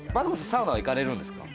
サウナは行かれるんですか？